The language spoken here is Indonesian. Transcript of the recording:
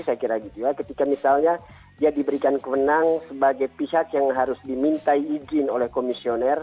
saya kira gitu ya ketika misalnya dia diberikan kewenangan sebagai pihak yang harus dimintai izin oleh komisioner